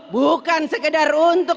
bukan sekedar untuk